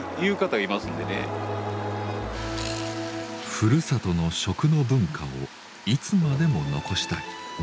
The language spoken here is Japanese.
ふるさとの食の文化をいつまでも残したい。